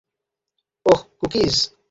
ওহ, cookies?